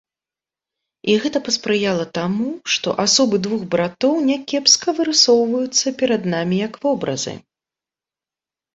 І гэта паспрыяла таму, што асобы двух братоў някепска вырысоўваюцца перад намі як вобразы.